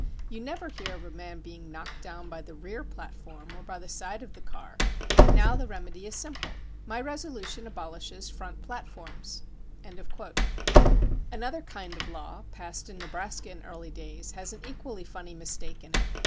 You never heard of a man being knocked down by the rear platform or by the side of the car. Now the remedy is simple. My re solution abolishes front platforms." Another kind of law, passed in Nebraska in early days, has an equally funny mistake in it.